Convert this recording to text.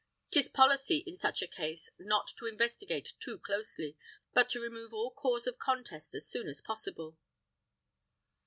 'Tis policy, in such a case, not to investigate too closely, but to remove all cause of contest as soon as possible."